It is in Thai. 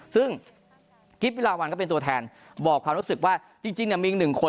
ซึ่งวิลาวันก็เป็นตัวแทนบอกความรู้สึกว่าจริงจริงเนี่ยมีอีกหนึ่งคน